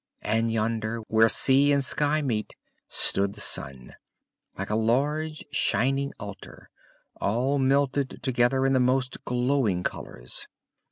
And yonder, where sea and sky meet, stood the sun, like a large shining altar, all melted together in the most glowing colors.